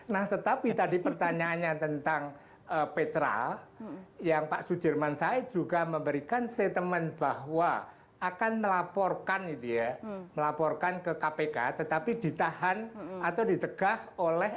nah tetapi tadi pertanyaannya tentang petra yang pak sudirman said juga memberikan statement bahwa akan melaporkan itu ya melaporkan ke kpk tetapi ditahan atau ditegah oleh